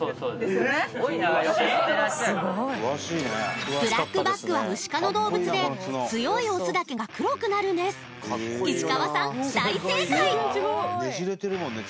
すごい詳しいねブラックバックはウシ科の動物で強いオスだけが黒くなるんです石川さん大正解！